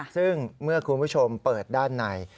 ซึ่งเมื่อคุณผู้ชมเปิดด้านใน